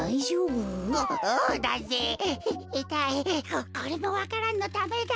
ここれもわか蘭のためだ。